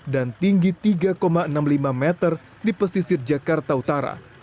dan tinggi tiga enam puluh lima meter di pesisir jakarta utara